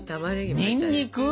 にんにく？